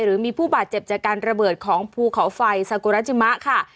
หรือมีผู้บาดเจ็บจากการระเบิดของภูเขาไฟซากุราจิมะค่ะ